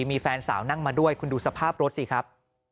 มีแฟนสาวนั่งมาด้วยคุณดูสภาพรถสิครับ